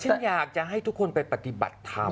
ฉันอยากจะให้ทุกคนไปปฏิบัติธรรม